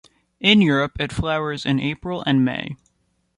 In Europe, it flowers in April and May.